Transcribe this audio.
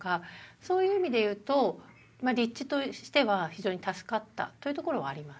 そういう意味でいうと立地としては非常に助かったというところはあります。